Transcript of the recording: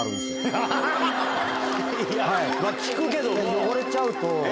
汚れちゃうと。